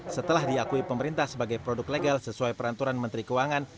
setelah diakui pemerintah sebagai produk legal sesuai peraturan menteri keuangan